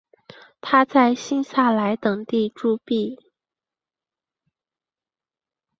他在新萨莱等地铸币。